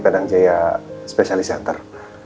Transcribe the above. penang jaya specialist center